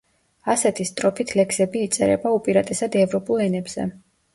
ასეთი სტროფით ლექსები იწერება, უპირატესად, ევროპულ ენებზე.